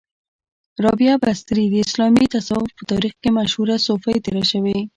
را بعه بصري د اسلامې تصوف په تاریخ کې مشهوره صوفۍ تیره شوی